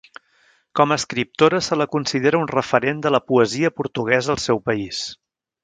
Com a escriptora se la considera un referent de la poesia portuguesa al seu país.